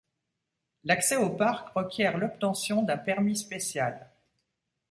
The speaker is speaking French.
L'accès au parc requiert l'obtention d'un permis spécial.